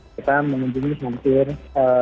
kita mengunjungi sementara